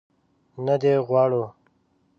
نه دې غواړو.